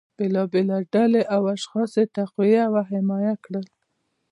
بیلابیلې ډلې او اشخاص یې تقویه او حمایه کړل